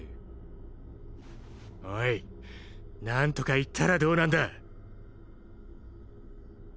オイ何とか言ったらどうなんだ？